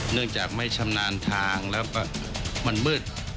เนื่องจากไม่ชำนาญทางแล้วก็มันมืด